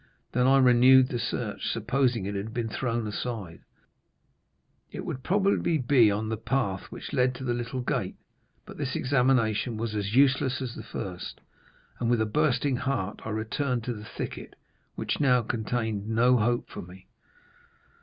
Then I renewed the search. Supposing it had been thrown aside, it would probably be on the path which led to the little gate; but this examination was as useless as the first, and with a bursting heart I returned to the thicket, which now contained no hope for me."